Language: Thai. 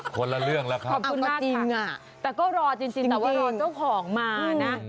แต่ก็รอจริงเดี๋ยวรอเจ้าของมานะ